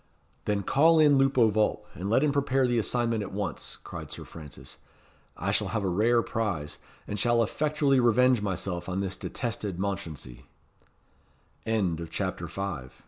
"Then call in Lupo Vulp, and let him prepare the assignment at once," cried Sir Francis. "I shall have a rare prize; and shall effectually revenge myself on this detested Mounchensey." CHAPTER VI.